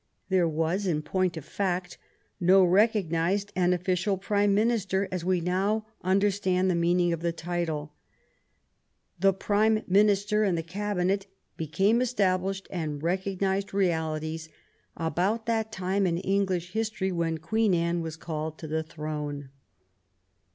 There was, in point of fact, no recognized and official prime minister as we now understand the meaning of the title. The prime minister and the cabinet became established and recognized realities about that time in English history when Queen Anne was called to the throne.